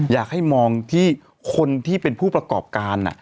อยากให้มองที่คนที่เป็นผู้ประกอบการ